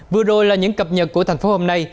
vừa rồi là những cập nhật của thành phố hôm nay